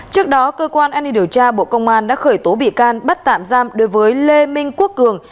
trước đó cơ quan an ninh điều tra bộ công an đã khởi tố bị can bắt tạm giam đối với lê minh quốc cường